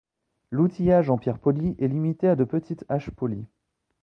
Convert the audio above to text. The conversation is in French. L'outillage en pierre polie est limité à de petites haches polies.